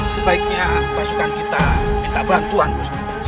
sebaiknya pasukan kita minta bantuan bu